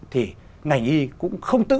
thì ngành y cũng không tự